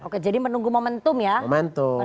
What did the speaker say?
oke jadi menunggu momentum ya